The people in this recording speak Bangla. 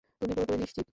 তুমি পুরোপুরি নিশ্চিত?